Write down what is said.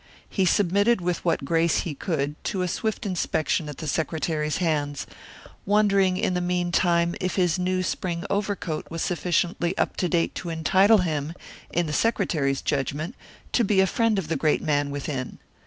He submitted with what grace he could to a swift inspection at the secretary's hands, wondering, in the meantime, if his new spring overcoat was sufficiently up to date to entitle him, in the secretary's judgment, to be a friend of the great man within.